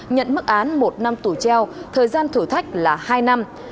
nhận mức án một năm tù treo thời gian thử thách là hai năm